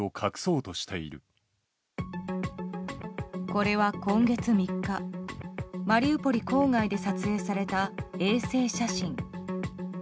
これは今月３日マリウポリ郊外で撮影された衛星写真。